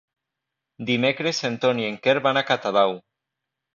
Dimecres en Ton i en Quer van a Catadau.